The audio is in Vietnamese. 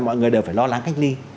mọi người đều phải lo lắng cách ly